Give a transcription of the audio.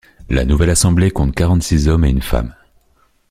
La nouvelle assemblée compte quarante-six hommes et une femme.